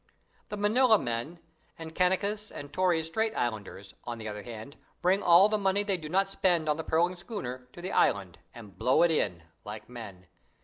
The Manilamen and Kanakas and Torres Strait islanders, on the other hand, bring all the money they do not spend on the pearling schooner to the island, and "blow it in", like men.